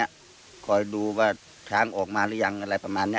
นี้ก่อนดูว่าทางออกมารึยังอะไรประมาณนี้